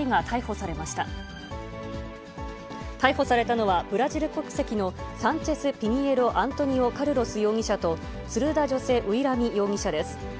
逮捕されたのは、ブラジル国籍のサンチェス・ピニエロ・アントニオ・カルロス容疑者と、ツルダ・ジョセ・ウイラミ容疑者です。